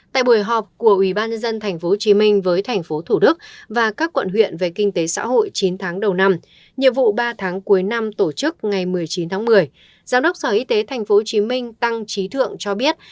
tại buổi họp của ubnd tp hcm với thành phố thủ đức và các quận huyện về kinh tế xã hội chín tháng đầu năm nhiệm vụ ba tháng cuối năm tổ chức ngày một mươi chín tháng một mươi giám đốc sở y tế tp hcm tăng trí thượng cho biết